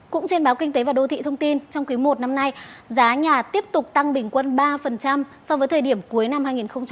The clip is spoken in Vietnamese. cũng trên báo kinh tế và đô thị thông tin trong quý i năm nay giá nhà tiếp tục tăng bình quân ba so với thời điểm cuối năm hai nghìn một mươi chín